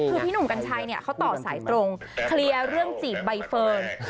คือพี่หนุ่มกัญชัยเนี่ยเขาต่อสายตรงเคลียร์เรื่องจีบใบเฟิร์น